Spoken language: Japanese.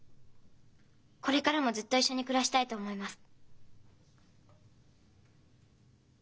これからもずっと一緒に暮らしたいと思います。